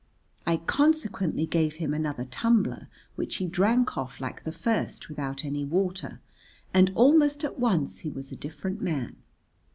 I consequently gave him another tumbler, which he drank off like the first without any water, and almost at once he was a different man.